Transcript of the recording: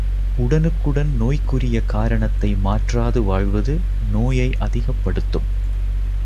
உடனுக்குடன் நோய்க்குரிய காரணத்தை மாற்றாது வாழ்வது, நோயை அதிகப்படுத்தும்.